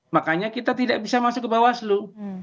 makanya kita tidak bisa masuk ke bawaslu